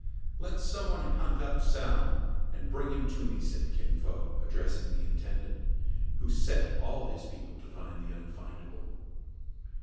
" Let some one hunt up Soun, and bring him to me," said Kin Fo, addressing the intendant, who set all his people to find the unfindable.